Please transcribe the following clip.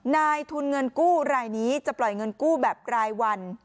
นายทุนเงินกู้รายนี้จะปล่อยเงินกู้แบบรายวัน